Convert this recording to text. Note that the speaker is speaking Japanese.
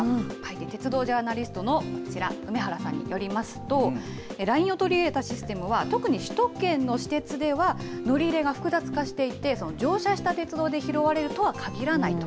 鉄道ジャーナリストのこちら、梅原さんによりますと、ＬＩＮＥを取り入れたシステムは、特に首都圏の私鉄では、乗り入れが複雑化していて、乗車した鉄道で拾われるとはかぎらないと。